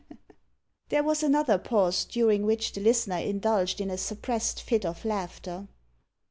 There was another pause, during which the listener indulged in a suppressed fit of laughter.